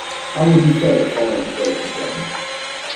How would you say the following phrase in German?